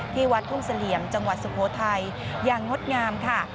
ที่วัดทุ่งเสลี่ยมจังหวัดสุโขทัยอย่างงดงามค่ะ